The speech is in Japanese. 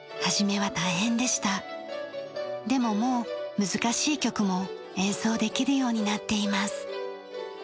でももう難しい曲も演奏できるようになっています。